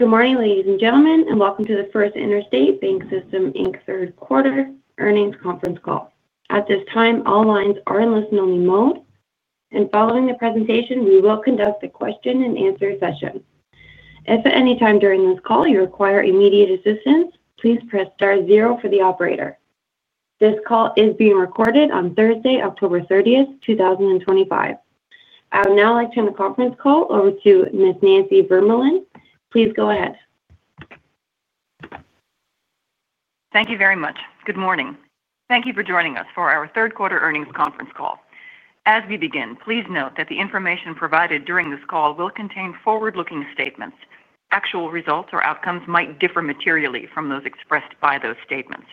Good morning, ladies and gentlemen, and welcome to the First Interstate BancSystem Inc. third quarter earnings conference call. At this time, all lines are in listen-only mode, and following the presentation, we will conduct a question and answer session. If at any time during this call you require immediate assistance, please press star zero for the operator. This call is being recorded on Thursday, October 30, 2025. I would now like to turn the conference call over to Ms. Nancy Vermeulen. Please go ahead. Thank you very much. Good morning. Thank you for joining us for our third quarter earnings conference call. As we begin, please note that the information provided during this call will contain forward-looking statements. Actual results or outcomes might differ materially from those expressed by those statements.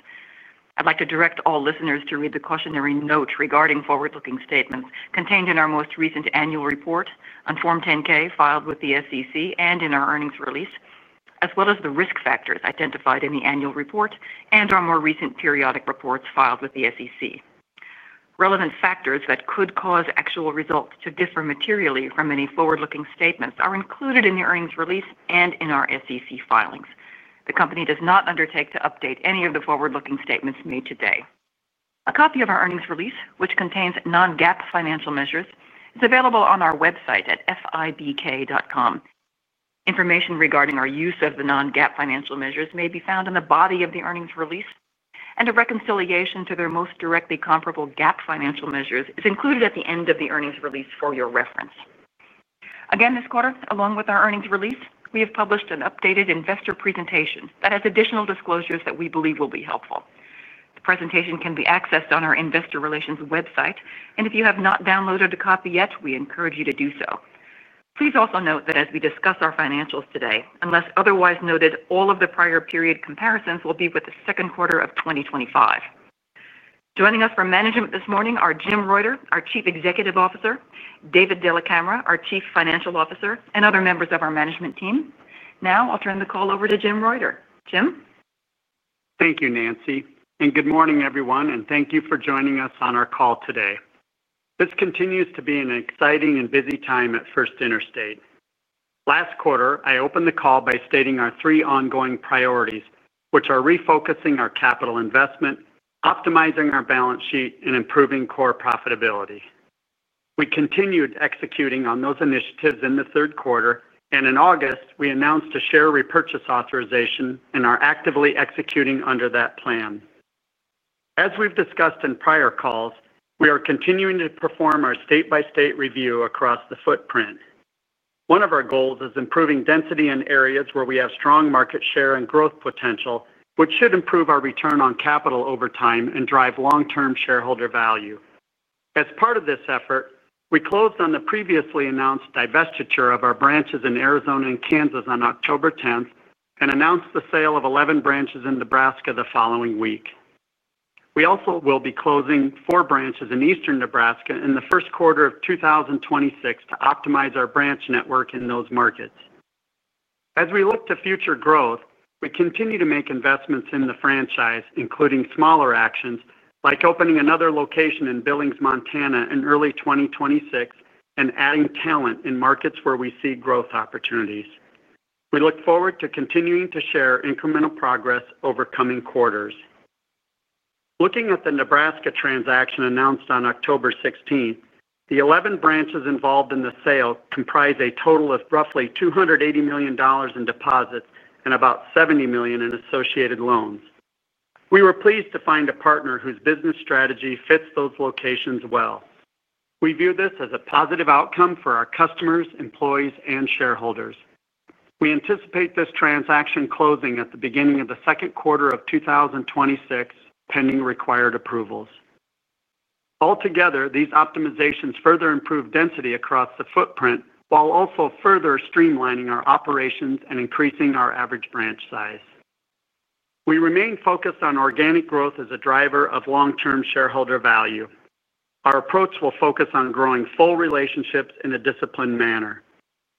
I'd like to direct all listeners to read the cautionary note regarding forward-looking statements contained in our most recent annual report on Form 10-K filed with the SEC and in our earnings release, as well as the risk factors identified in the annual report and our more recent periodic reports filed with the SEC. Relevant factors that could cause actual results to differ materially from any forward-looking statements are included in the earnings release and in our SEC filings. The company does not undertake to update any of the forward-looking statements made today. A copy of our earnings release, which contains non-GAAP financial measures, is available on our website at fibk.com. Information regarding our use of the non-GAAP financial measures may be found in the body of the earnings release, and a reconciliation to their most directly comparable GAAP financial measures is included at the end of the earnings release for your reference. Again this quarter, along with our earnings release, we have published an updated investor presentation that has additional disclosures that we believe will be helpful. The presentation can be accessed on our investor relations website, and if you have not downloaded a copy yet, we encourage you to do so. Please also note that as we discuss our financials today, unless otherwise noted, all of the prior period comparisons will be with the second quarter of 2025. Joining us from management this morning are Jim Reuter, our Chief Executive Officer, David Della Camera, our Chief Financial Officer, and other members of our management team. Now I'll turn the call over to Jim Reuter. Jim, Thank you, Nancy, and good morning, everyone, and thank you for joining us on our call today. This continues to be an exciting and busy time at First Interstate. Last quarter, I opened the call by stating our three ongoing priorities, which are refocusing our capital investment, optimizing our balance sheet, and improving core profitability. We continued executing on those initiatives in the third quarter. In August, we announced a share repurchase authorization and are actively executing under that plan. As we've discussed in prior calls, we are continuing to perform our state-by-state review across the footprint. One of our goals is improving density in areas where we have strong market share and growth potential, which should improve our return on capital over time and drive long-term shareholder value. As part of this effort, we closed on the previously announced divestiture of our branches in Arizona and Kansas on October 10th and announced the sale of 11 branches in Nebraska the following week. We also will be closing four branches in eastern Nebraska in the first quarter of 2026 to optimize our branch network in those markets. As we look to future growth, we continue to make investments in the franchise, including smaller actions like opening another location in Billings, Montana in early 2026 and adding talent in markets where we see growth opportunities. We look forward to continuing to share incremental progress over coming quarters. Looking at the Nebraska transaction announced on October 16, the 11 branches involved in the sale comprise a total of roughly $280 million in deposits and about $70 million in associated loans. We were pleased to find a partner whose business strategy fits those locations well. We view this as a positive outcome for our customers, employees, and shareholders. We anticipate this transaction closing at the beginning of the second quarter of 2026, pending required approvals. Altogether, these optimizations further improve density across the footprint while also further streamlining our operations and increasing our average branch size. We remain focused on organic growth as a driver of long-term shareholder value. Our approach will focus on growing full relationships in a disciplined manner.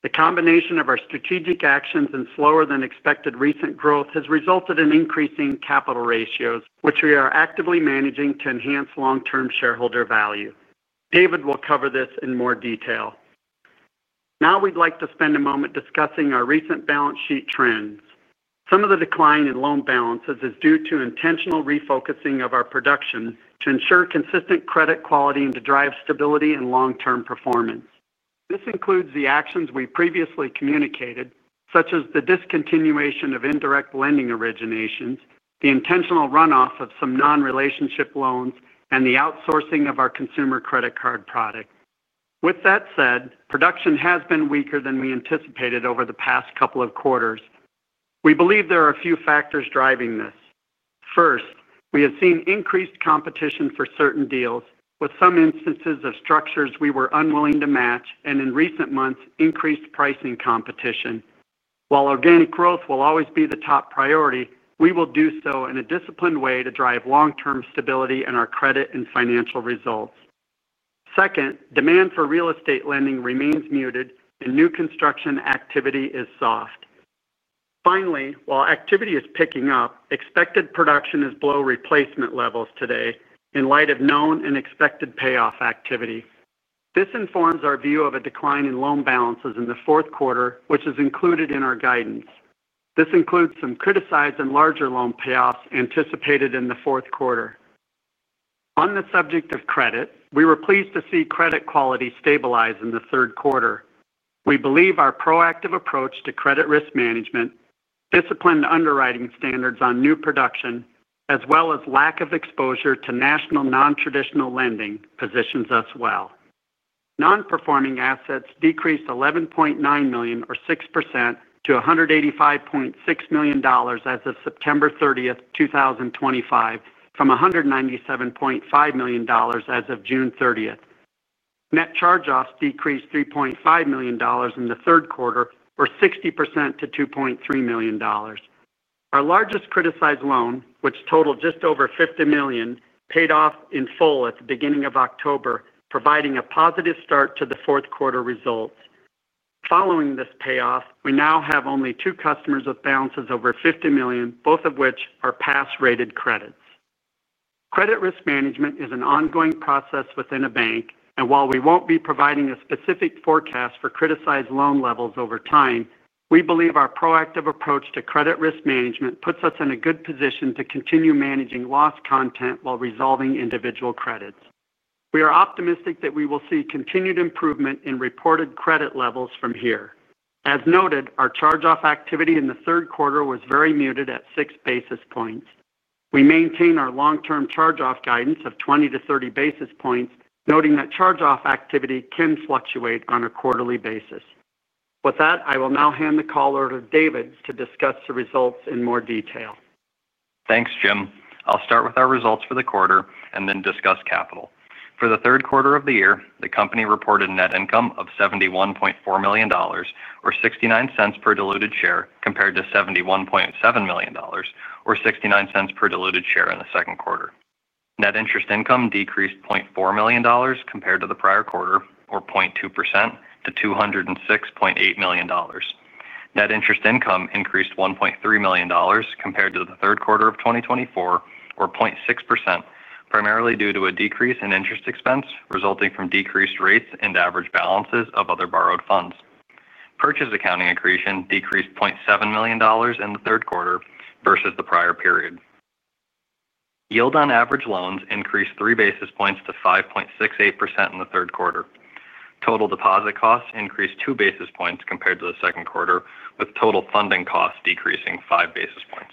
The combination of our strategic actions and slower than expected recent growth has resulted in increasing capital ratios, which we are actively managing to enhance long-term shareholder value. David will cover this in more detail now. We'd like to spend a moment discussing our recent balance sheet trends. Some of the decline in loan balances is due to intentional refocusing of our production to ensure consistent credit quality and to drive stability and long-term performance. This includes the actions we previously communicated, such as the discontinuation of indirect lending originations, the intentional runoff of some non-relationship loans, and the outsourcing of our consumer credit card product. With that said, production has been weaker than we anticipated over the past couple of quarters. We believe there are a few factors driving this. First, we have seen increased competition for certain deals, with some instances of structures we were unwilling to match and, in recent months, increased pricing competition. While organic growth will always be the top priority, we will do so in a disciplined way to drive long-term stability in our credit and financial results. Second, demand for real estate lending remains muted and new construction activity is soft. Finally, while activity is picking up, expected production is below replacement levels today in light of known and expected payoff activity. This informs our view of a decline in loan balances in the fourth quarter, which is included in our guidance. This includes some criticized and larger loan payoffs anticipated in the fourth quarter. On the subject of credit, we were pleased to see credit quality stabilize in the third quarter. We believe our proactive approach to credit risk management, disciplined underwriting standards on new production, as well as lack of exposure to national non-traditional lending, positions us well. Non-performing assets decreased $11.9 million, or 6%, to $185.6 million as of September 30th, 2025, from $197.5 million as of June 30th. Net charge-offs decreased $3.5 million in the third quarter, or 60%, to $2.3 million. Our largest criticized loan, which totaled just over $50 million, paid off in full at the beginning of October, providing a positive start to the fourth quarter results. Following this payoff, we now have only two customers with balances over $50 million, both of which are pass-rated credits. Credit risk management is an ongoing process within a bank, and while we won't be providing a specific forecast for criticized loan levels over time, we believe our proactive approach to credit risk management puts us in a good position to continue managing loss content while resolving individual credits. We are optimistic that we will see continued improvement in reported credit levels from here. As noted, our charge-off activity in the third quarter was very muted at 6 basis points. We maintain our long-term charge-off guidance of 20 basis points-30 basis points, noting that charge-off activity can fluctuate on a quarterly basis. With that, I will now hand the call over to David to discuss the results in more detail. Thanks, Jim. I'll start with our results for the quarter and then discuss capital. For the third quarter of the year, the company reported net income of $71.4 million, or $0.69 per diluted share, compared to $71.7 million or $0.69 per diluted share. In the second quarter, net interest income decreased $0.4 million compared to the prior quarter, or 0.2%, to $206.8 million. Net interest income increased $1.3 million compared to the third quarter of 2024, or 0.6%, primarily due to a decrease in interest expense resulting from decreased rates and average balances of other borrowed funds. Purchase accounting accretion decreased $0.7 million in the third quarter versus the prior period. Yield on average loans increased 3 basis points to 5.68% in the third quarter. Total deposit costs increased 2 basis points compared to the second quarter, with total funding costs decreasing 5 basis points.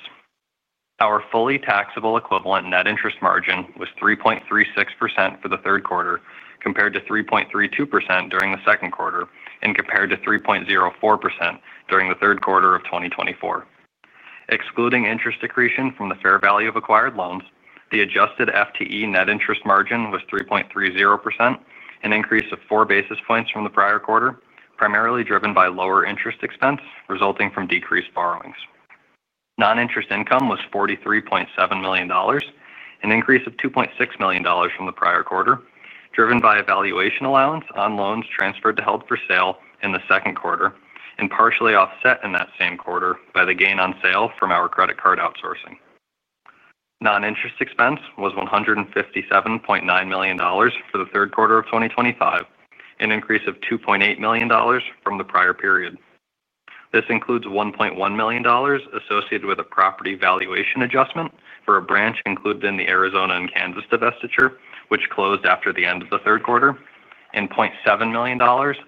Our fully taxable equivalent net interest margin was 3.36% for the third quarter compared to 3.32% during the second quarter and compared to 3.04% during the third quarter of 2024. Excluding interest accretion from the fair value of acquired loans, the adjusted FTE net interest margin was 3.30%, an increase of 4 basis points from the prior, primarily driven by lower interest expense resulting from decreased borrowings. Non-interest income was $43.7 million, an increase of $2.6 million from the prior quarter driven by a valuation allowance on loans transferred to held for sale in the second quarter and partially offset in that same quarter by the gain on sale from our credit card outsourcing. Non-interest expense was $157.9 million for the third quarter of 2025, an increase of $2.8 million from the prior period. This includes $1.1 million associated with a property valuation adjustment for a branch included in the Arizona and Kansas divestiture which closed after the end of the third quarter, and $0.7 million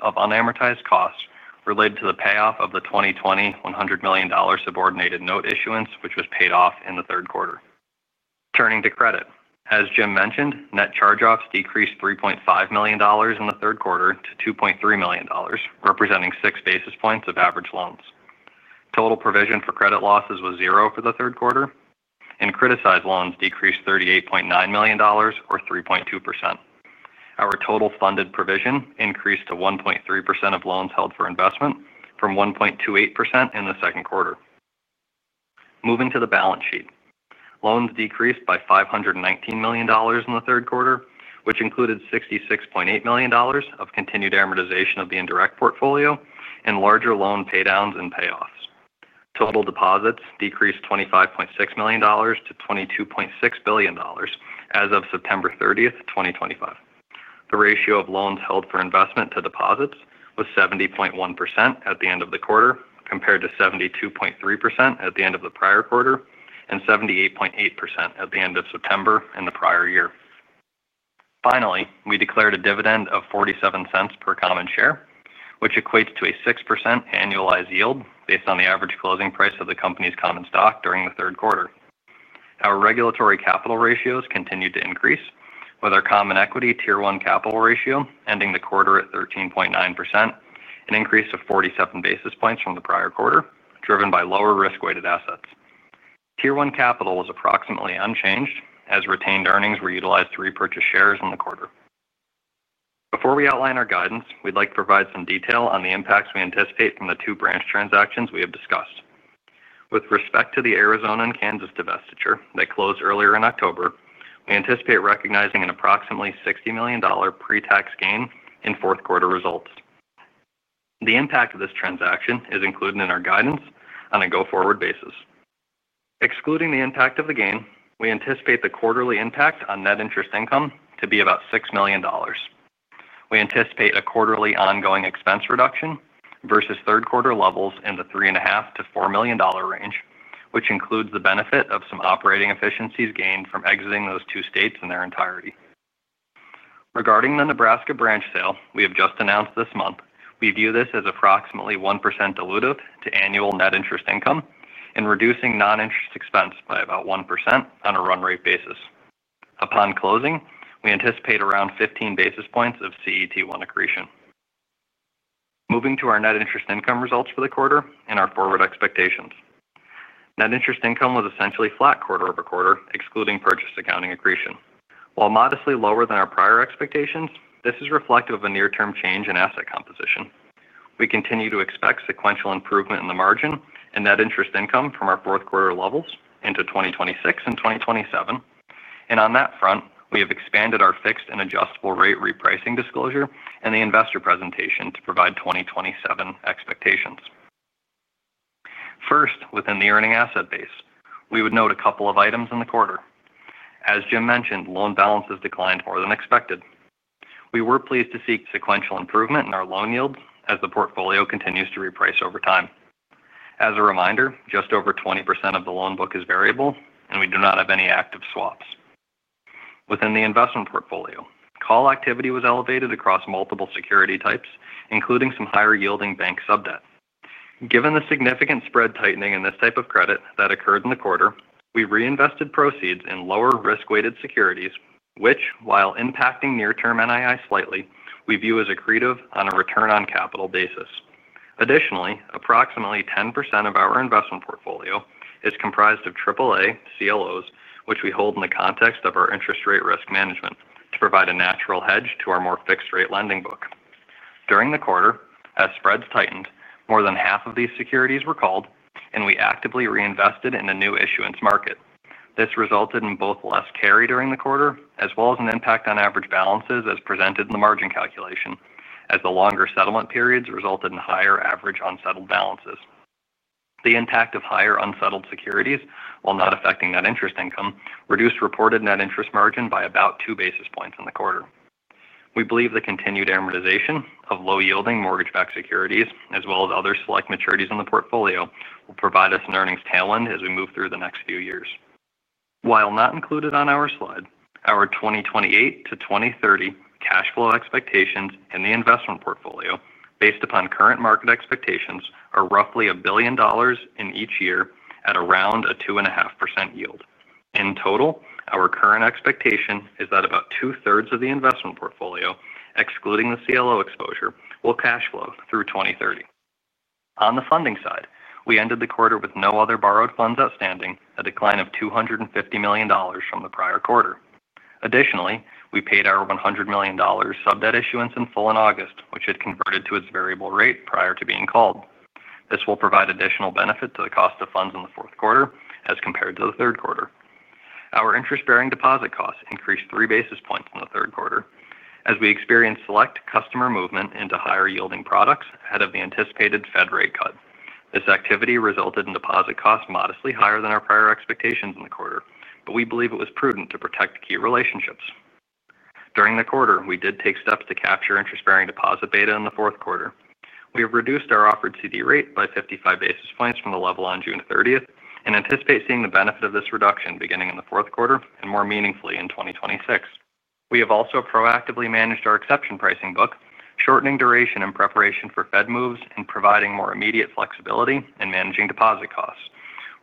of unamortized costs related to the payoff of the 2020 $100 million subordinated note issuance which was paid off in the third quarter. Turning to credit, as Jim mentioned, net charge-offs decreased $3.5 million in the third quarter to $2.3 million, representing 6 basis points of average loans. Total provision for credit losses was zero for the third quarter and criticized loans decreased $38.9 million or 3.2%. Our total funded provision increased to 1.3% of loans held for investment from 1.28% in the second quarter. Moving to the balance sheet, loans decreased by $519 million in the third quarter, which included $66.8 million of continued amortization of the indirect portfolio and larger loan paydowns and payoffs. Total deposits decreased $25.6 million to $22.6 billion as of September 30, 2025. The ratio of loans held for investment to deposits was 70.1% at the end of the quarter compared to 72.3% at the end of the prior quarter and 78.8% at the end of September in the prior year. Finally, we declared a dividend of $0.47 per common share, which equates to a 6% annualized yield based on the average closing price of the company's common stock. During the third quarter, our regulatory capital ratios continued to increase with our Common Equity Tier 1 capital ratio ending the quarter at 13.9%, an increase of 47 basis points from the prior quarter driven by lower risk-weighted assets. Tier 1 capital was approximately unchanged as retained earnings were utilized to repurchase shares in the quarter. Before we outline our guidance, we'd like to provide some detail on the impacts we anticipate from the two branch transactions we have discussed. With respect to the Arizona and Kansas divestiture that closed earlier in October, we anticipate recognizing an approximately $60 million pre-tax gain in fourth quarter results. The impact of this transaction is included in our guidance on a go-forward basis. Excluding the impact of the gain, we anticipate the quarterly impact on net interest income to be about $6 million. We anticipate a quarterly ongoing expense reduction versus third quarter levels in the $3.5 million-$4 million range, which includes the benefit of some operating efficiencies gained from exiting those two states in their entirety. Regarding the Nebraska branch sale we have just announced this month, we view this as approximately 1% dilutive to annual net interest income and reducing non-interest expense by about 1% on a run rate basis. Upon closing, we anticipate around 15 basis points of CET1 accretion. Moving to our net interest income results for the quarter and our forward expectations, net interest income was essentially flat quarter over quarter excluding purchase accounting accretion. While modestly lower than our prior expectations, this is reflective of a near-term change in asset composition. We continue to expect sequential improvement in the margin and net interest income from our fourth quarter levels into 2026 and 2027. On that front, we have expanded our fixed and adjustable rate repricing disclosure in the investor presentation to provide 2027 expectations. First, within the earning asset base, we would note a couple of items in the quarter. As Jim mentioned, loan balances declined more than expected. We were pleased to see sequential improvement in our loan yield as the portfolio continues to reprice over time. As a reminder, just over 20% of the loan book is variable, and we do not have any active swaps within the investment portfolio. Call activity was elevated across multiple security types, including some higher-yielding bank sub debt. Given the significant spread tightening in this type of credit that occurred in the quarter, we reinvested proceeds in lower risk-weighted securities, which, while impacting near-term NII slightly, we view as accretive on a return on capital basis. Additionally, approximately 10% of our investment portfolio is comprised of AAA CLOs, which we hold in the context of our interest rate risk management to provide a natural hedge to our more fixed rate lending book. During the quarter, as spreads tightened, more than half of these securities were called, and we actively reinvested in the new issuance market. This resulted in both less carry during the quarter as well as an impact on average balances as presented in the margin calculation. As the longer settlement periods resulted in higher average unsettled balances, the impact of higher unsettled securities, while not affecting net interest income, reduced reported net interest margin by about 2 basis points in the quarter. We believe the continued amortization of low-yielding mortgage-backed securities as well as other select maturities in the portfolio will provide us an earnings tailwind as we move through the next few years. While not included on our slide, our 2028-2030 cash flow expectations in the investment portfolio, based upon current market expectations, are roughly $1 billion in each year at around a 2.5% yield in total. Our current expectation is that about 2/3 of the investment portfolio, excluding the CLO exposure, will cash flow through 2030. On the funding side, we ended the quarter with no other borrowed funds outstanding, a decline of $250 million from the prior quarter. Additionally, we paid our $100 million sub debt issuance in full in August, which had converted to its variable rate prior to being called. This will provide additional benefit to the cost of funds in the fourth quarter as compared to the third quarter. Our interest bearing deposit costs increased 3 basis points in the third quarter as we experienced select customer movement into higher yielding products ahead of the anticipated Fed rate cut. This activity resulted in deposit costs modestly higher than our prior expectations in the quarter, but we believe it was prudent to protect key relationships during the quarter. We did take steps to capture interest bearing deposit beta in the fourth quarter. We have reduced our offered CD rate by 55 basis points from the level on June 30 and anticipate seeing the benefit of this reduction beginning in the fourth quarter and more meaningfully in 2026. We have also proactively managed our exception pricing book, shortening duration in preparation for Fed moves and providing more immediate flexibility in managing deposit costs,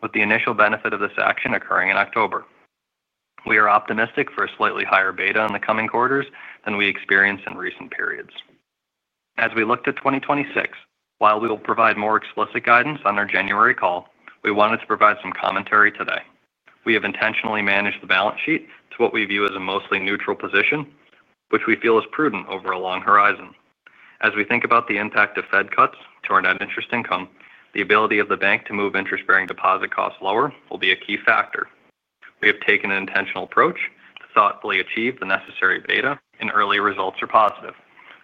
with the initial benefit of this action occurring in October. We are optimistic for a slightly higher beta in the coming quarters than we experienced in recent periods as we look to 2026. While we will provide more explicit guidance on our January call, we wanted to provide some commentary today. We have intentionally managed the balance sheet to what we view as a mostly neutral position, which we feel is prudent over a long horizon. As we think about the impact of Fed cuts to our net interest income, the ability of the bank to move interest bearing deposit costs lower will be a key factor. We have taken an intentional approach to thoughtfully achieve the necessary beta and early results are positive.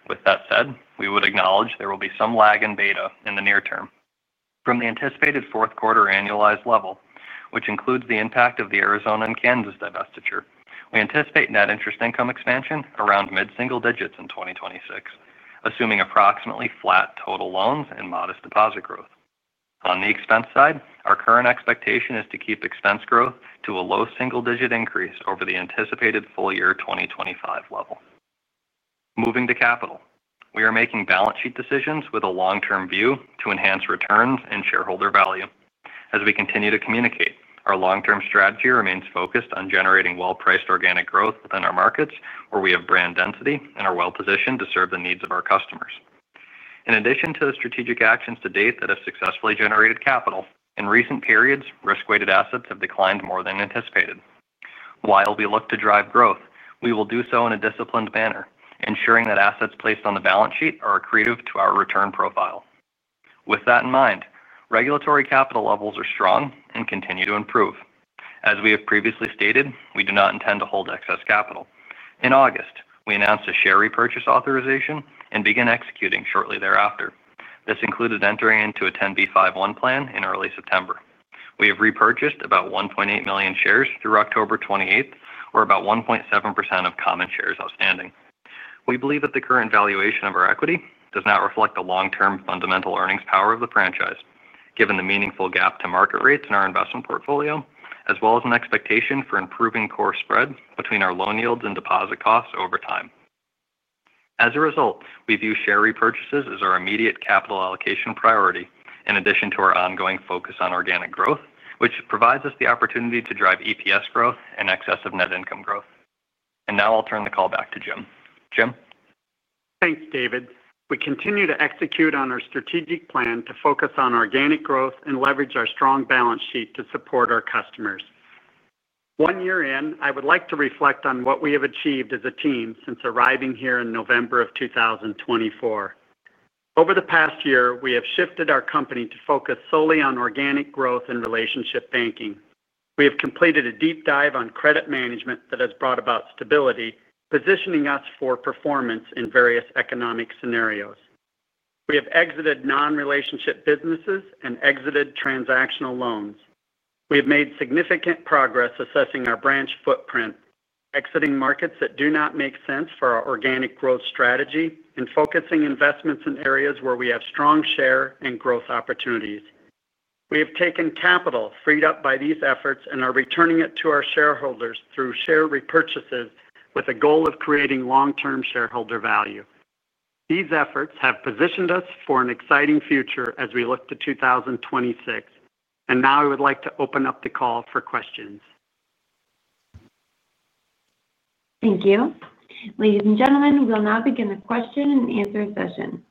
With that said, we would acknowledge there will be some lag in beta in the near term from the anticipated fourth quarter annualized level, which includes the impact of the Arizona and Kansas divestiture. We anticipate net interest income expansion around mid single digits in 2026, assuming approximately flat total loans and modest deposit growth. On the expense side, our current expectation is to keep expense growth to a low single digit increase over the anticipated full year 2025 level. Moving to capital, we are making balance sheet decisions with a long term view to enhance returns and shareholder value. As we continue to communicate, our long-term strategy remains focused on generating well-priced organic growth within our markets where we have brand density and are well positioned to serve the needs of our customers. In addition to the strategic actions to date that have successfully generated capital in recent periods, risk-weighted assets have declined more than anticipated. While we look to drive growth, we will do so in a disciplined manner, ensuring that assets placed on the balance sheet are accretive to our return profile. With that in mind, regulatory capital levels are strong and continue to improve. As we have previously stated, we do not intend to hold excess capital. In August, we announced a share repurchase authorization and began executing shortly thereafter. This included entering into a 10b5-1 plan in early September. We have repurchased about 1.8 million shares through October 28th, or about 1.7% of common shares outstanding. We believe that the current valuation of our equity does not reflect the long-term fundamental earnings power of the franchise, given the meaningful gap to market rates in our investment portfolio as well as an expectation for improving core spread between our loan yields and deposit costs over time. As a result, we view share repurchases as our immediate capital allocation priority in addition to our ongoing focus on organic growth, which provides us the opportunity to drive EPS growth and excess net income growth. Now I'll turn the call back to Jim. Thanks, David. We continue to execute on our strategic plan to focus on organic growth and leverage our strong balance sheet to support our customers. One year in, I would like to reflect on what we have achieved as a team since arriving here in November of 2024. Over the past year, we have shifted our company to focus solely on organic growth and relationship banking. We have completed a deep dive on credit management that has brought about stability, positioning us for performance in various economic scenarios. We have exited non-relationship businesses and exited transactional loans. We have made significant progress assessing our branch footprint, exiting markets that do not make sense for our organic growth strategy and focusing investments in areas where we have strong share and growth opportunities. We have taken capital freed up by these efforts and are returning it to our shareholders through share repurchases with a goal of creating long-term shareholder value. These efforts have positioned us for an exciting future as we look to 2026. I would like to open up the call for questions. Thank you, ladies and gentlemen. We'll now begin the question and answer session.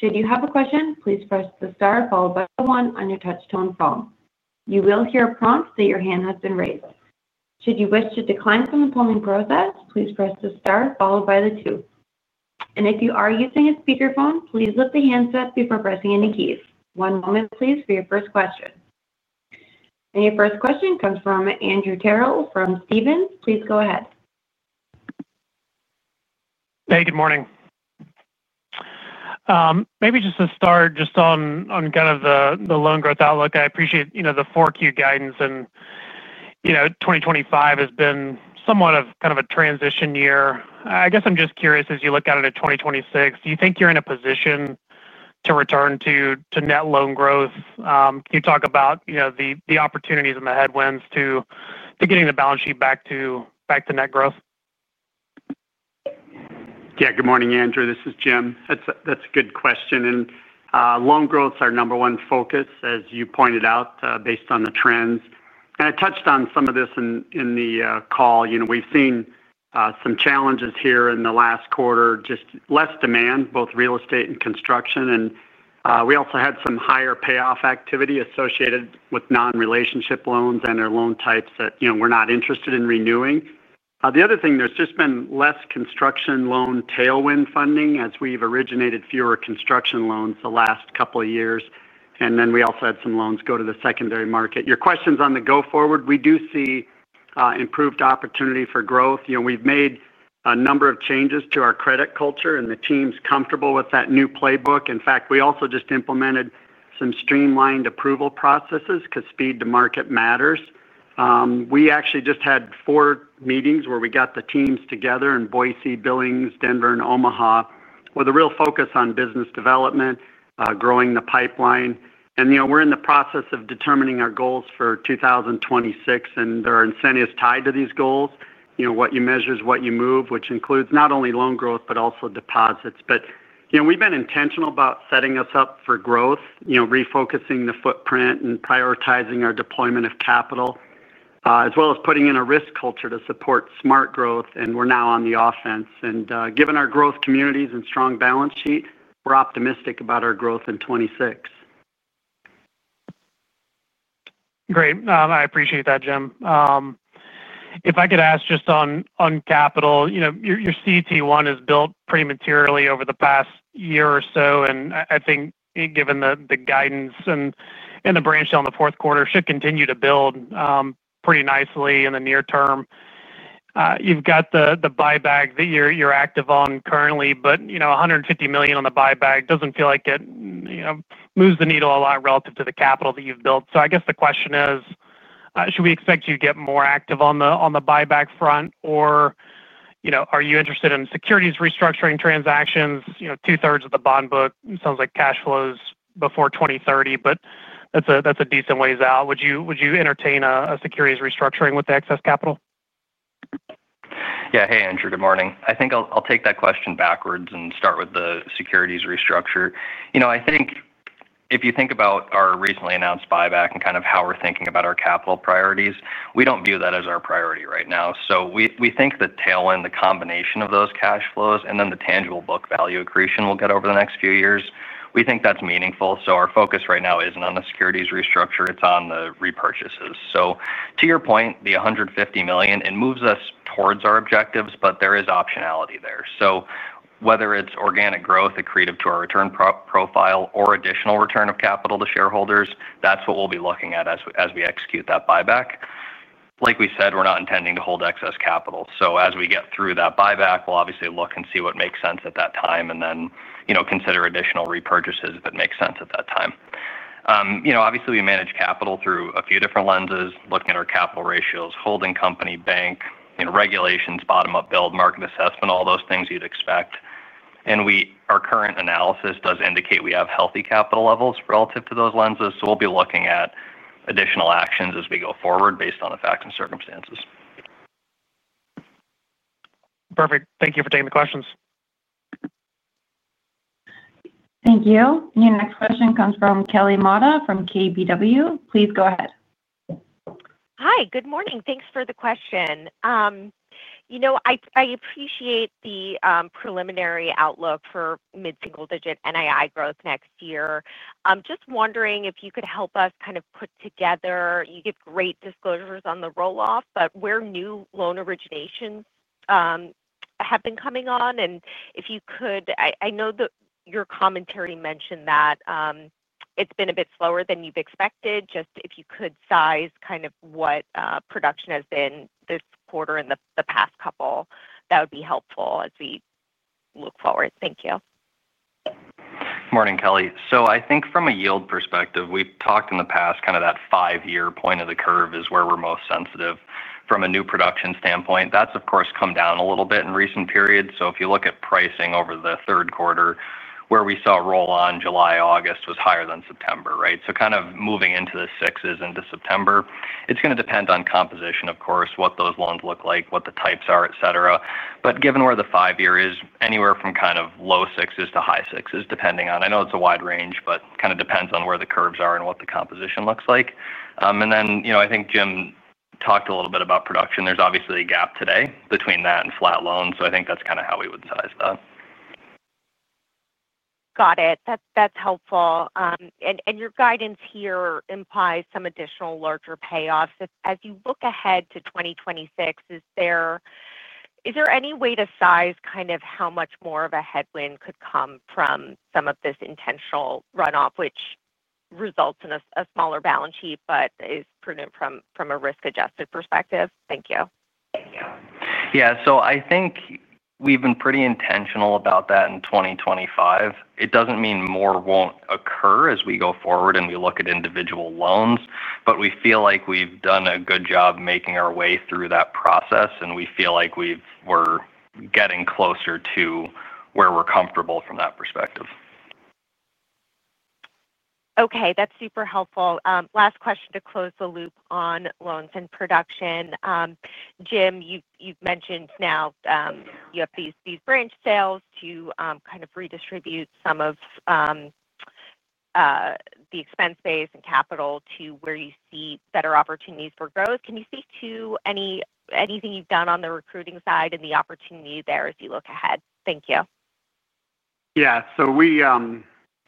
Should you have a question, please press the star followed by one on your touch tone phone. You will hear a prompt that your hand has been raised. Should you wish to decline from the polling process, please press the star followed by two. If you are using a speakerphone, please lift the handset before pressing any keys. One moment, please, for your first question. Your first question comes from Andrew Terrell from Stephens. Please go ahead. Hey, good morning. Maybe just to start on the loan growth outlook. I appreciate the 4Q guidance and 2025 has been somewhat of a transition year, I guess. I'm just curious, as you look at it at 2026, do you think you're in a position to return to net loan growth? Can you talk about the opportunities and the headwind to getting the balance sheet back to net growth? Yeah, good morning Andrew, this is Jim. That's a good question. Loan growth is our number one focus as you pointed out based on the trends, and I touched on some of this in the call. We've seen some challenges here in the last quarter, just less demand, both real estate and construction. We also had some higher payoff activity associated with non-relationship loans and their loan types that we're not interested in renewing. The other thing, there's just been less construction loan tailwind funding as we've originated fewer construction loans the last couple of years, and we also had some loans go to the secondary market. Your questions on the go forward, we do see improved opportunity for growth. We've made a number of changes to our credit culture, and the team's comfortable with that new playbook. In fact, we also just implemented some streamlined approval processes because speed to market matters. We actually just had four meetings where we got the teams together in Boise, Billings, Denver, and Omaha with a real focus on business development, growing the pipeline. We're in the process of determining our goals for 2026, and there are incentives tied to these goals. What you measure is what you move, which includes not only loan growth, but also deposits. We've been intentional about setting us up for growth, refocusing the footprint and prioritizing our deployment of capital, as well as putting in a risk culture to support smart growth. We're now on the offense, and given our growth communities and strong balance sheet, we're optimistic about our growth in 2026. Great. I appreciate that. Jim, if I could ask, just on capital, you know, your CET1 has built pretty materially over the past year or so, and I think given the guidance and the branch downs, the fourth quarter should continue to build pretty nicely in the near term. You've got the buyback that you're active on currently, but $150 million on the buyback doesn't feel like it moves the needle a lot relative to the capital that you've built. I guess the question is, should we expect you to get more active on the buyback front or are you interested in securities restructuring transactions? 2/3 of the bond book sounds like cash flows before 2030, but that's a decent ways out. Would you. Would you entertain a securities restructuring with the excess capital? Hey, Andrew, good morning. I think I'll take that question backwards and start with the securities restructure. If you think about our recently announced buyback and kind of how we're thinking about our capital priorities, we don't view that as our priority right now. We think the tailwind, the combination of those cash flows and then the tangible book value accretion we'll get over the next few years, we think that's meaningful. Our focus right now isn't on the securities restructure, it's on the repurchases. To your point, the $150 million, it moves us towards our objectives, but there is optionality there. Whether it's organic growth accretive to our return profile or additional return of capital to shareholders, that's what we'll be looking at as we execute that buyback. Like we said, we're not intending to hold excess capital. As we get through that buyback, we'll obviously look and see what makes sense at that time and then consider additional repurchases if it makes sense at that time. Obviously, we manage capital through a few different lenses, looking at our capital ratios, holding company bank regulations, bottom up, build market assessment, all those things you'd expect. Our current analysis does indicate we have healthy capital levels relative to those lenses. We'll be looking at additional actions as we go forward based on the facts and circumstances. Perfect. Thank you for taking the questions. Thank you. Your next question comes from Kelly Motta from KBW. Please go ahead. Hi, good morning. Thanks for the question. I appreciate the preliminary outlook for mid single digit NII growth next year. I'm just wondering if you could help us kind of put together. You get great disclosures on the roll off, but where new loan originations have been coming on, and if you could, I know that your commentary mentioned that it's been a bit slower than you've expected. If you could size kind of what production has been this quarter and the past couple, that would be helpful as we look forward. Thank you. Morning, Kelly. I think from a yield perspective, we've talked in the past that the five-year point of the curve is where we're most sensitive from a new production standpoint. That's, of course, come down a little bit in recent periods. If you look at pricing over the third quarter, we saw roll on July and August was higher than September. Right? Kind of moving into the sixes into September, it's going to depend on composition, of course, what those loans look like, what the types are, etc. Given where the five year is, anywhere from kind of low sixes to high sixes depending on, I know it's a wide range, but kind of depends on where the curves are and what the composition looks like. I think Jim talked a little bit about production. There's obviously a gap today between that and flat loans. I think that's kind of how we would size that. Got it. That's helpful. Your guidance here implies some additional larger payoffs as you look ahead to 2026. Is there any way to size kind of how much more of a headwind could come from some of this intentional runoff which results in a smaller balance sheet but is prudent from a risk-adjusted perspective. Thank you. I think we've been pretty intentional about that in 2025. It doesn't mean more won't occur as we go forward and we look at individual loans, but we feel like we've done a good job making our way through that process and we feel like we're getting closer to where we're comfortable from that perspective. Okay, that's super helpful. Last question to close the loop on loans and production. Jim, you've mentioned now you have these branch sales to kind of redistribute some. Of. The expense base and capital to where you see better opportunities for growth. Can you speak to anything you've done on the recruiting side and the opportunity there as you look ahead? Thank you. Yeah,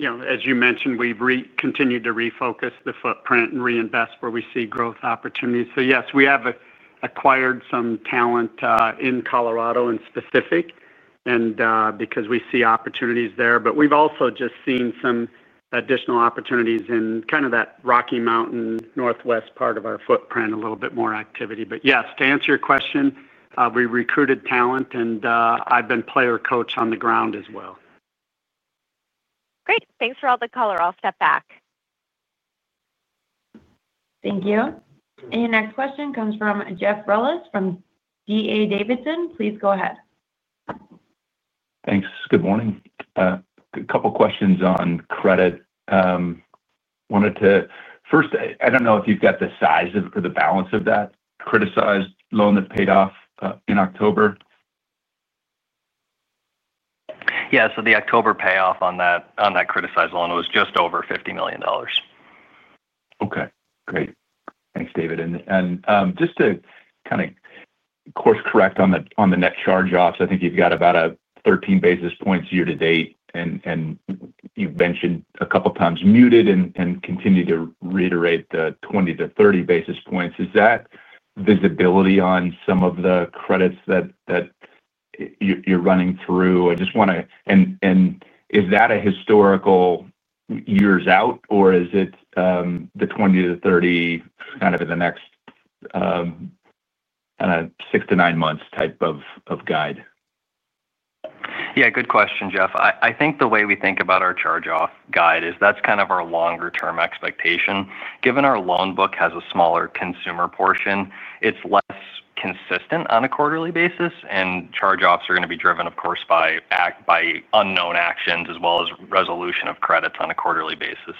as you mentioned, we've continued to refocus the footprint and reinvest where we see growth opportunities. Yes, we have acquired some talent in Colorado in specific because we see opportunities there. We've also just seen some additional opportunities in that Rocky Mountain Northwest part of our footprint, a little bit more activity. Yes, to answer your question, we recruited talent and I've been player coach on the ground as well. Great. Thanks for all the color. I'll step back. Thank you. Your next question comes from Jeff Rulis from D.A. Davidson. Please go ahead. Thanks. Good morning. A couple questions on credit. Wanted to first ask if you've got the size or the balance of that criticized loan that paid off in October. Yeah. The October payoff on that criticized loan was just over $50 million. Okay, great. Thanks, David. Just to kind of course correct on the net charge-offs, I think you've got about 13 basis points year to date and you've mentioned a couple of times muted and continue to reiterate 20 basis points-30 basis points. Is that visibility on some of the credits that you're running through? I just want to know, is that a historical years out or is it the 20 basis points-30 basis points kind of in the next six to nine months type of guide? Yeah, good question, Jeff. I think the way we think about our charge-off guide is that's kind of our longer-term expectation given our loan book has a smaller consumer portion, it's less consistent. A quarterly basis and charge-offs are going to be driven of course by unknown actions as well as resolution of credits on a quarterly basis.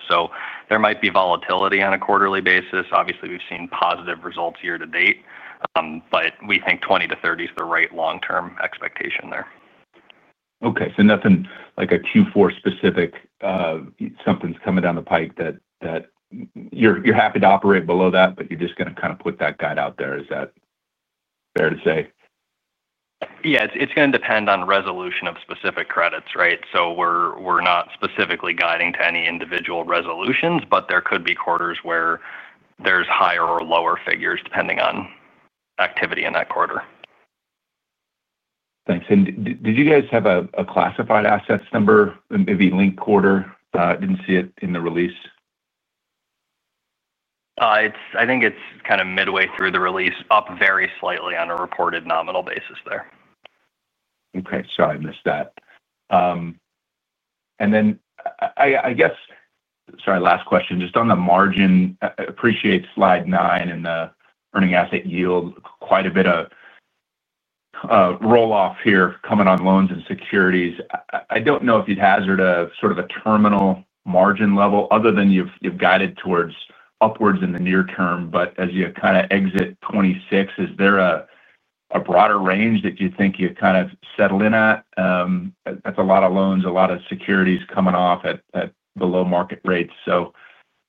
There might be volatility on a quarterly basis. Obviously, we've seen positive results year to date, but we think 20 basis points-30 basis points is the right long-term expectation there. Okay, so nothing like a Q4 specific. Something's coming down the pike that you're happy to operate below that, but you're just going to kind of put that guide out there. Is that fair to say? Yeah, it's going to depend on resolution of specific credits. Right? We're not specifically guiding to any individual resolutions, but there could be quarters where there's higher or lower figures depending on activity in that quarter. Thanks. Did you guys have a classified assets number linked quarter? I didn't see it in the release. I think it's kind of midway through the release, up very slightly on a reported nominal basis there. Sorry, last question. Just on the margin, appreciate slide nine and the earning asset yield. Quite a bit of roll off here coming on loans and securities. I don't know if you'd hazard a sort of a terminal margin level other than you've guided towards upwards in the near term, but as you kind of exit 2026, is there a broader range that you think you kind of settle in at? That's a lot of loans, a lot of securities coming off at below market rates.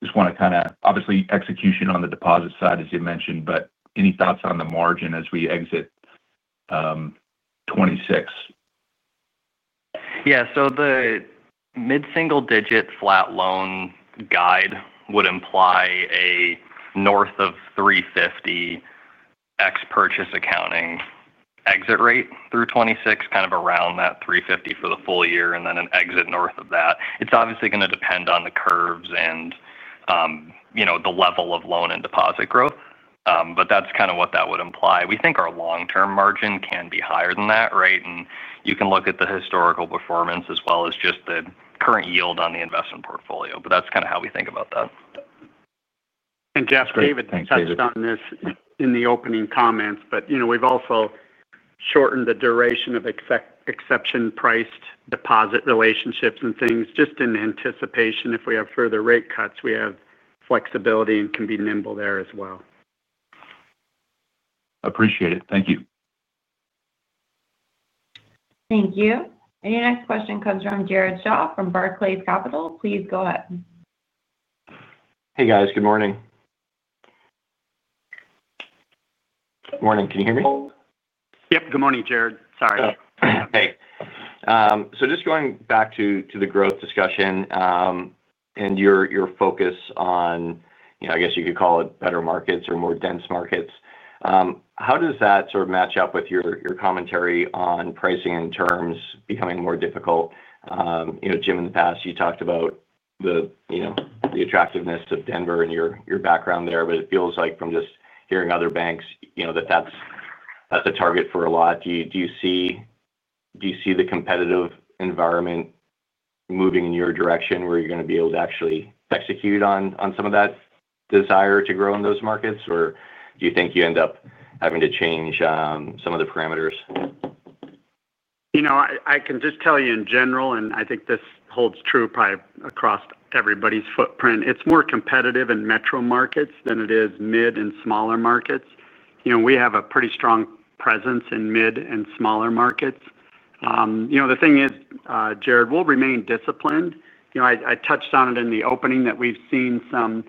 Just want to kind of, obviously, execution on the deposit side as you mentioned. Any thoughts on the margin as we exit 2026? The mid single digit flat loan guide would imply a north of $350 million ex purchase accounting exit rate through 2026, kind of around that $350 million for the full year and then an exit north of that. It is obviously going to depend on the curves and the level of loan and deposit growth. That is kind of what that would imply. We think our long term margin can be higher than that. You can look at the historical performance as well as just the current yield on the investment portfolio. That is kind of how we think about that. Jeff, David touched on this in the opening comments, but we've also shortened the duration of exception priced deposit relationships and things just in anticipation. If we have further rate cuts, we have flexibility and can be nimble there as well. Appreciate it. Thank you. Thank you. Your next question comes from Jared Shaw from Barclays Capital. Please go ahead. Hey guys, good morning. Good morning. Can you hear me? Yep. Good morning, Jared. Sorry. Hey, just going back to the growth discussion and your focus on, I guess you could call it better markets or more dense markets. How does that sort of match up with your commentary on pricing and terms becoming more difficult? Jim, in the past you talked about the attractiveness of Denver and your background there, but it feels like from just hearing other banks that's a target for a lot. Do you see the competitive environment moving in your direction where you're going to be able to actually execute on some of that desire to grow in those markets, or do you think you end up having to change some of the parameters? I can just tell you in general, and I think this holds true probably across everybody's footprint. It's more competitive in metro markets than it is mid and smaller markets. We have a pretty strong presence in mid and smaller markets. The thing is, Jared, we'll remain disciplined. I touched on it in the opening that we've seen some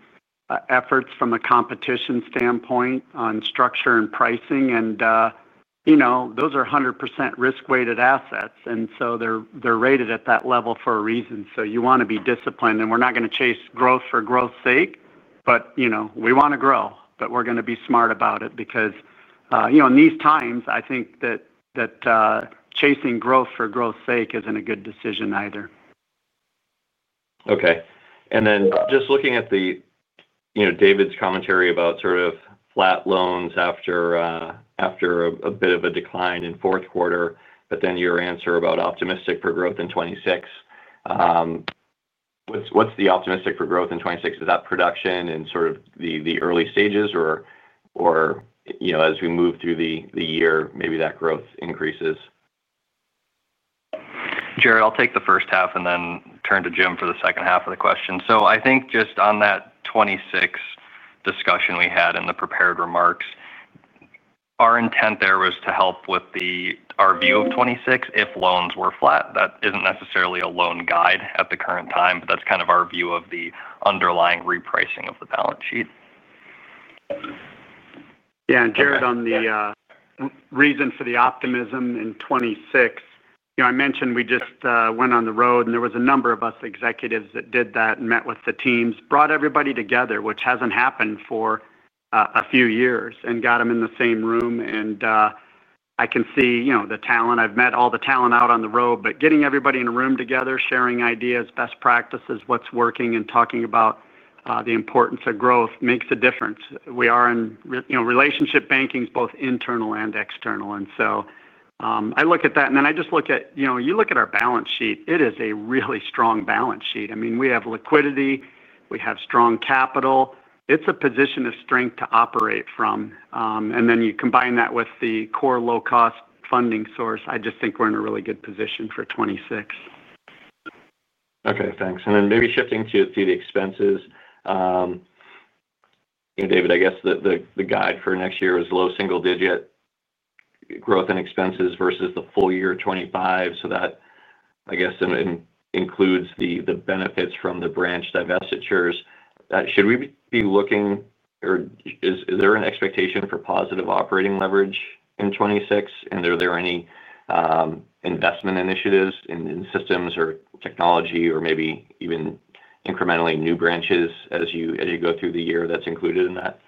efforts from a competition standpoint on structure and pricing. Those are 100% risk weighted assets, and they're rated at that level for a reason. You want to be disciplined. We're not going to chase growth for growth's sake, but we want to grow, and we're going to be smart about it because in these times, I think that chasing growth for growth's sake isn't a good decision either. Okay. Just looking at David's commentary about sort of flat loans after a bit of a. Decline in fourth quarter, then your. About optimistic for growth in 2026, what's the optimistic for growth in 2026? Is that production in sort of the early stages, or as we move through the year, maybe that growth increases. Jerry, I'll take the first half and then turn to Jim for the second half of the question. I think just on that 2026 discussion we had in the prepared remarks, our intent there was to help with our view of 2026 if loans were flat. That isn't necessarily a loan guide at the current time, but that's kind of our view of the underlying replacement pricing of the balance sheet. Yeah. Jared, on the reason for the optimism in 2026, I mentioned we just went on the road and there was a number of us executives that did that and met with the teams, brought everybody together, which hasn't happened for a few years, and got them in the same room. I can see the talent, I've met all the talent out on the road. Getting everybody in a room together, sharing ideas, best practices, what's working, and talking about the importance of growth makes a difference. We are in relationship banking, both internal and external. I look at that and then I just look at, you know, you look at our balance sheet, it is a really strong balance sheet. I mean, we have liquidity, we have strong capital. It's a position of strength to operate from. You combine that with the core low cost funding source, I just think we're in a really good position for 2026. Okay, thanks. Maybe shifting to the expenses, David, I guess the guide for next year is low single digit growth in expenses versus the full year 2025. That includes the benefits from the branch divestitures. Should we be looking, or is there an expectation for positive operating leverage in 2026? Are there any investment initiatives in systems or technology or maybe even incrementally new branches as you go through the year that's included in that?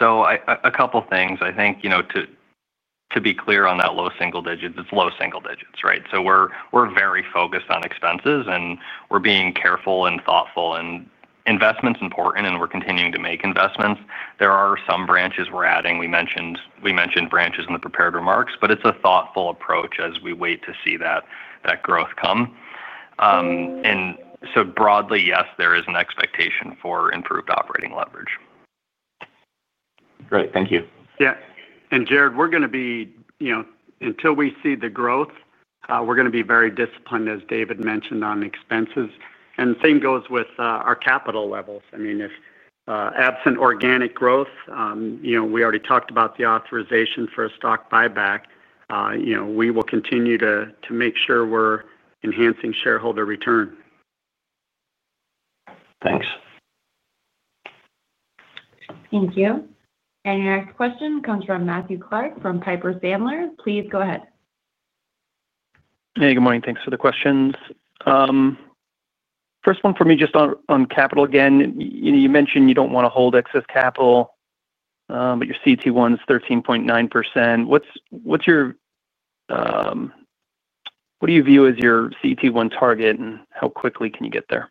Yeah, a couple things I think to be clear on that. Low single digits. It's low single digits. Right? We're very focused on expenses and we're being careful and thoughtful, and investment's important and we're continuing to make investments. There are some branches we're adding. We mentioned branches in the prepared remarks. It's a thoughtful approach as we wait to see that growth come. Broadly, yes, there is an expectation for improved operating leverage. Great, thank you. Yeah. Jared, we're going to be, you know, until we see the growth, we're going to be very disciplined, as David mentioned, on expenses. The same goes with our capital levels. I mean, if absent organic growth, you know, we already talked about the authorization for a stock buyback. You know, we will continue to make sure we're enhancing shareholder return. Thanks. Thank you. Your next question comes from Matthew Clark from Piper Sandler. Please, go ahead. Hey, good morning. Thanks for the questions. First one for me, just on capital. You mentioned you don't want to. Hold excess capital, but your CET1 is 13.9%. What do you view as your CET1 target and how quickly can you get there?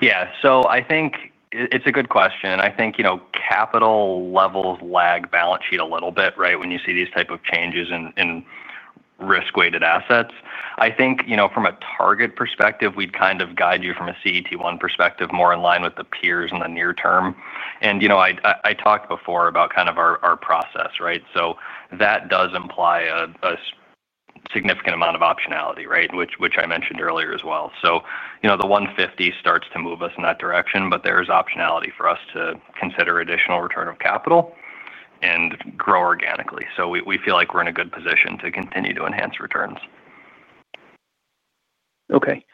Yeah, I think it's a good question. I think capital levels lag balance sheet a little bit. Right. When you see these type of changes in risk weighted assets, I think, from a target perspective, we'd kind of guide you from a CET1 perspective more in line with the peers in the near term. I talked before about kind of our process. Right? That does imply a significant amount of optionality. Right? Which I mentioned earlier as well. You know, the $150 million starts to move us in that direction. There is optionality for us to consider additional return of capital and grow organically. We feel like we're in a good position to continue to enhance returns. Okay.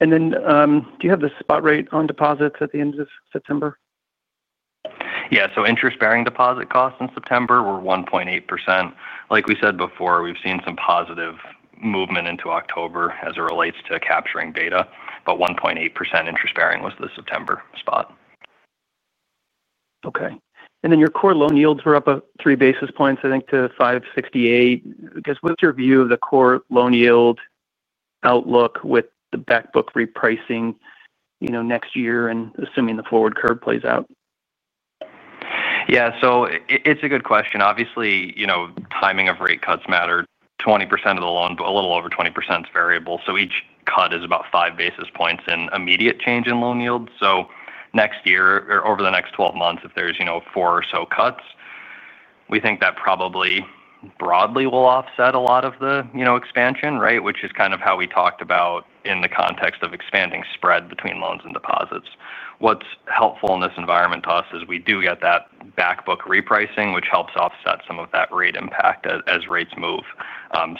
Do you have the spot. Rate on deposits at the end of September? Yeah. Interest bearing deposit costs in September were 1.8%. Like we said before, we've seen some positive movement into October as it relates to capturing data, but 1.8% interest bearing was the September spot. Okay. Your core loan yields were up three basis points, I think, to 568. Because what's your view of the core. Loan yield outlook with the back book. Repricing, you know, next year and assuming the forward curve plays out? Yeah, it's a good question. Obviously, timing of rate cuts matter, 20% of the loan, but a little over 20% is variable. Each cut is about five basis points in immediate change in loan yield. Next year or over the next 12 months, if there's, you know, four or so cuts, we think that probably broadly will offset a lot of the expansion. Right? Which is kind of how we talked about in the context of expanding spread between loans and deposits. What's helpful in this environment to us is we do get that back book repricing, which helps offset some of that rate impact as rates move.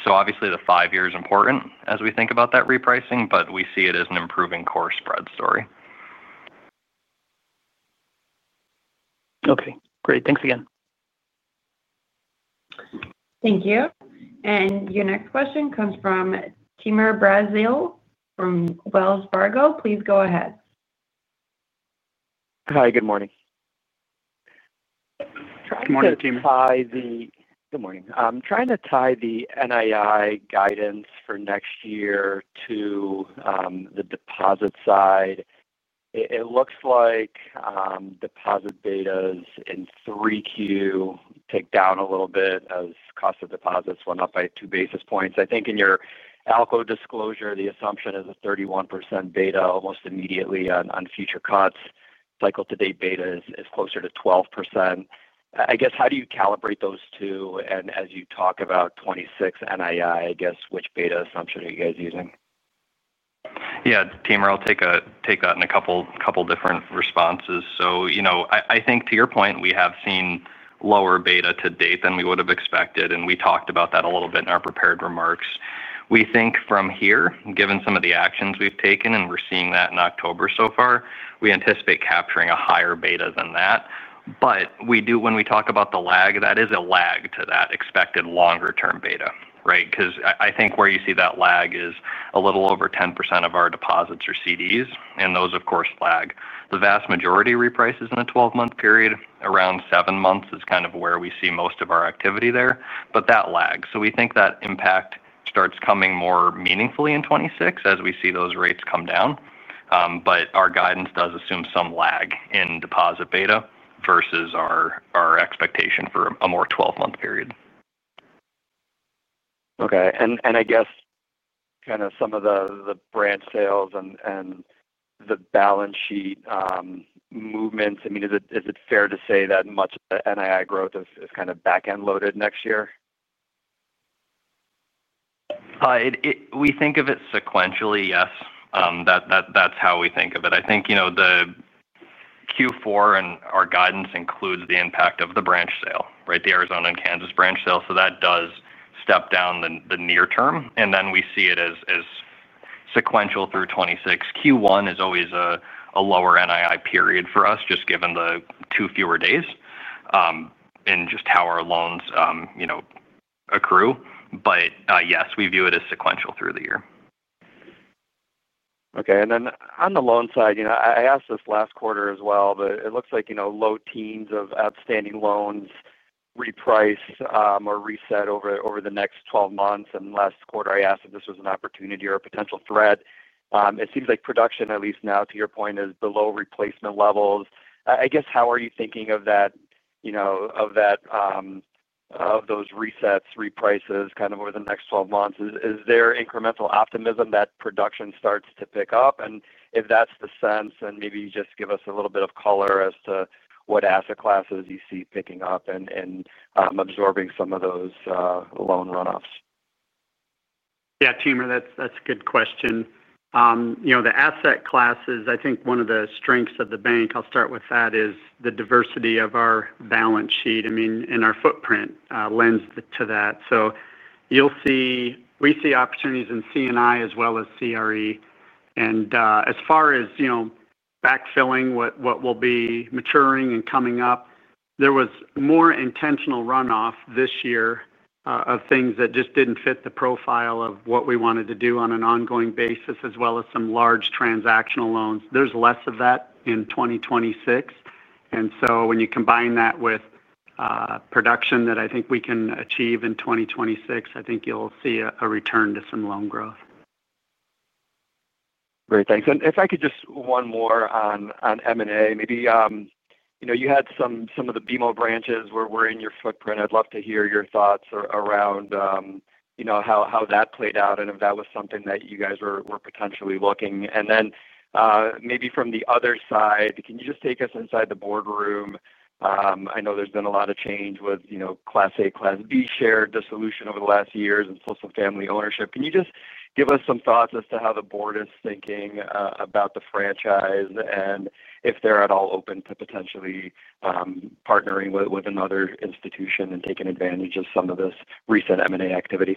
Obviously, the five year is important as we think about that repricing, but we see it as an improving core spread story. Okay, great, thanks again. Thank you. Your next question comes from Timur Braziler from Wells Fargo. Please go ahead. Hi, good morning. Trying to tie the NII guidance for next year to the deposit side. It looks like deposit betas in 3Q ticked down a little bit as cost of deposits went up by 2 basis points. I think in your ALCO disclosure the assumption is a 31% beta almost immediately on future cuts. Cycle to date beta is closer to 12% I guess. How do you calibrate those two? As you talk about 2026 NII, which beta assumption are you guys using? Yeah, Timur, I'll take that in a couple different responses. I think to your point, we have seen lower beta to date than we would have expected, and we talked about that a little bit in our prepared remarks. We think from here, given some of the actions we've taken and we're seeing that in October so far, we anticipate capturing a higher beta than that. We do, when we talk about the lag, that is a lag to that expected longer-term beta, right. I think where you see that lag is a little over 10% of our deposits are CDs, and those, of course, lag. The vast majority reprices in a 12-month period; around 7 months is kind of where we see most of our activity there, but that lags. We think that impact starts coming more meaningfully in 2026 as we see those rates come down. Our guidance does assume some lag in deposit beta versus our expectation for a more 12-month period. Okay. I guess kind of some of the branch sales and the balance sheet movements, is it fair to say that much of the NII growth is kind of back end loaded next year? We think of it sequentially. Yes, that's how we think of it. The Q4 and our guidance includes the impact of the branch sale, the Arizona and Kansas branch sale. That does step down the near term, and then we see it as sequential through 2026. Q1 is always a lower NII period for us, just given the two fewer days and just how our loans accrue. Yes, we view it as sequential through the year. Okay. On the loan side, I asked this last quarter as well, but it looks like low teens of outstanding loans reprice or reset over the next 12 months. Last quarter I asked if this was an opportunity or a potential threat. It seems like production at least now, to your point, is below replacement levels.I guess. How are you thinking of that? Of those resets, reprices kind of over the next 12 months, is there incremental optimism that production starts to pick up, and if that's the sense, maybe just give us a little bit of color as to what asset classes you see picking up and absorbing some of those loan runoffs. Yeah, Timur, that's a good question. You know, the asset classes. I think one of the strengths of the bank, I'll start with that, is the diversity of our balance sheet. I mean, our footprint lends to that. You'll see we see opportunities in C&I as well as CRE, and as far as backfilling what will be maturing and coming up, there was more intentional runoff this year of things that just didn't fit the profile of what we wanted to do on an ongoing basis as well as some large transactional loans. There's less of that in 2026. When you combine that with production that I think we can achieve in 2026, I think you'll see a return to some loan growth. Great, thanks. If I could just one more on M&A maybe, you know, you had some of the BMO branches were in your footprint. I'd love to hear your thoughts around, you know, how that played out and if that was something that you guys were potentially looking at and then maybe from the other side. Can you just take us inside the boardroom? I know there's been a lot of change with, you know, Class A, Class B, share dissolution over the last years and social family ownership. Can you just give us some thoughts? As to how the board is thinking about the franchise and if they're at all open to potentially partnering with another institution and taking advantage of some of this recent M&A activity?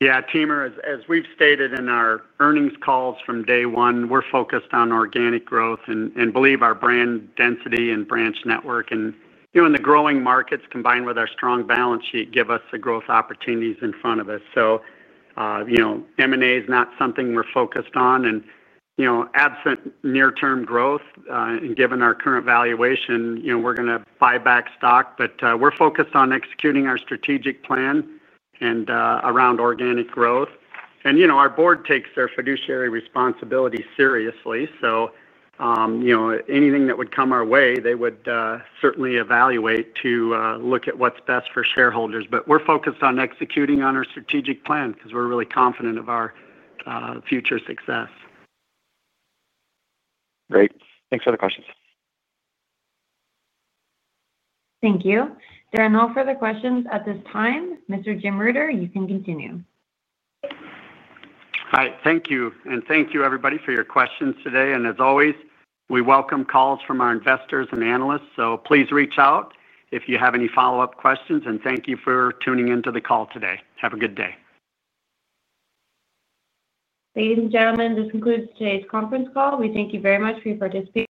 Yeah, Timur, as we've stated in our earnings calls from day one, we're focused on organic growth and believe our brand density and branch network in the growing markets combined with our strong balance sheet give us the growth opportunities in front of us. M&A is not something we're focused on, and absent near term growth, given our current valuation, we're going to buy back stock, but we're focused on executing our strategic plan and around organic growth. Our board takes their fiduciary responsibility seriously. Anything that would come our way, they would certainly evaluate to look at what's best for shareholders. We're focused on executing on our strategic plan because we're really confident of our future success. Great. Thanks for the questions. Thank you. There are no further questions at this time. Mr. Jim Reuter, you can continue. All right, thank you. Thank you everybody for your questions today. As always, we welcome calls from our investors and analysts. Please reach out if you have any follow up questions, and thank you for tuning into the call today. Have a good day. Ladies and gentlemen, this concludes today's conference call. We thank you very much for your participation.